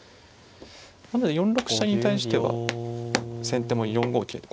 なので４六飛車に対しては先手も４五桂と。